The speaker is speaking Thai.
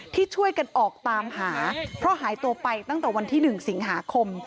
ที่ช่วยกันออกตามหาเพราะหายตัวไปตั้งแต่วันที่๑สิงหาคม